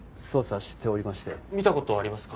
見た事ありますか？